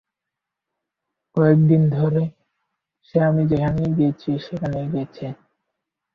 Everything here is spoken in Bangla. কয়েকদিন ধরে, সে আমি যেখানে গেছি সেখানেই গেছে।